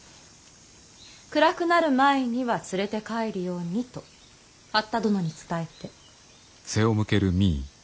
暗くなる前には連れて帰るようにと八田殿に伝えて。